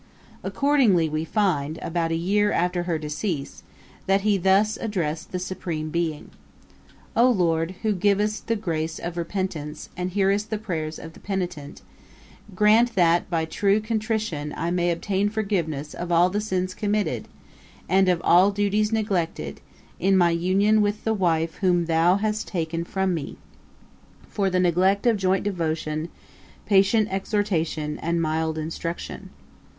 Accordingly we find, about a year after her decease, that he thus addressed the Supreme Being: 'O LORD, who givest the grace of repentance, and hearest the prayers of the penitent, grant that by true contrition I may obtain forgiveness of all the sins committed, and of all duties neglected in my union with the wife whom thou hast taken from me; for the neglect of joint devotion, patient exhortation, and mild instruction.'